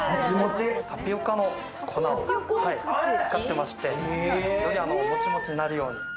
タピオカの粉を使ってまして、それでもちもちになるように。